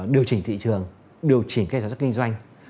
điều chỉnh thị trường điều chỉnh kinh doanh